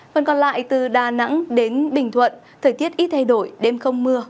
còn còn lại từ đà nẵng đến bình thuận thời tiết ít thay đổi đêm không mưa